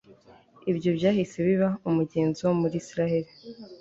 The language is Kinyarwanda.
ibyo byahise biba umugenzo muri israheli